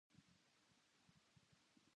大阪はたこ焼きが有名だ。